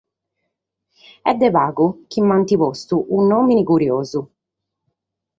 Est dae pagu chi m’ant postu unu nòmine curiosu.